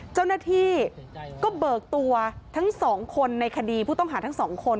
เจ้าหน้าที่ก็เบิกตัวทั้งสองคนในคดีผู้ต้องหาทั้งสองคน